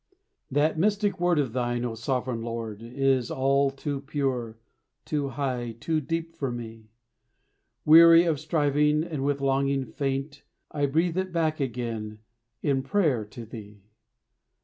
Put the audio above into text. That mystic word of thine, O sovereign Lord, Is all too pure, too high, too deep for me; Weary of striving, and with longing faint, I breathe it back again in prayer to thee.